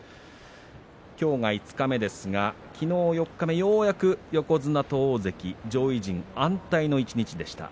きょうが五日目ですがきのう四日目、ようやく横綱と大関、上位陣安泰の一日でした。